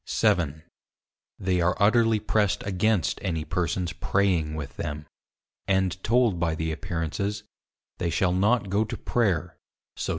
7. They are utterly pressed against any persons Praying with them, and told by the appearances, they shall not go to Prayer, so _Tho.